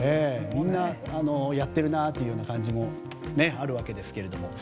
みんなやっているなという感じがあるわけですけれども。